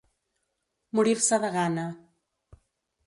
Morir-se de gana.